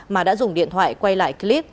mà đã dùng điện thoại quay lại clip